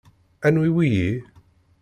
anwi wiyi?